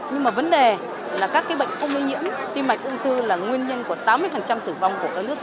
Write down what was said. nhưng mà vấn đề là các bệnh không lây nhiễm tim mạch ung thư là nguyên nhân của tám mươi tử vong của các nước